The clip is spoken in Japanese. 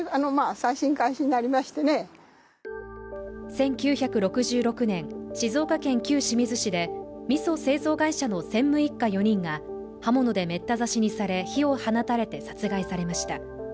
１９６６年、静岡県旧清水市でみそ製造会社の専務一家４人が刃物でメッタ刺しにされ火を放たれて殺害されました。